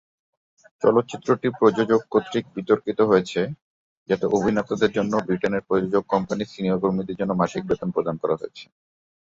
চলচ্চিত্রটি প্রযোজক কর্তৃক বিতর্কিত হয়েছে যাতে অভিনেতাদের জন্য ব্রিটেনের প্রযোজক কোম্পানির সিনিয়র কর্মীদের জন্য মাসিক বেতন প্রদান করা হয়েছে।